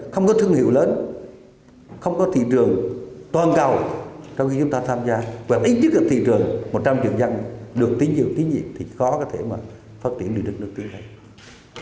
không có thương hiệu lớn không có thị trường toàn cầu trong khi chúng ta tham gia vào ít nhất là thị trường một trăm linh triệu dân được tín dựng tín dịp thì khó có thể mà phát triển được nước nước tiên hành